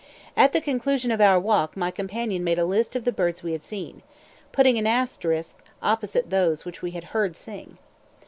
At the conclusion of our walk my companion made a list of the birds we had seen, putting an asterisk (*) opposite those which we had heard sing.